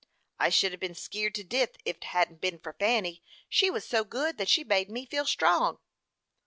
"I should hev been skeered to death ef't hadn't been for Fanny. She was so good that she made me feel strong."